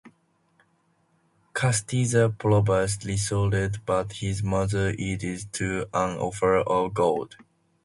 Castiza proves resolute but his mother yields to an offer of gold.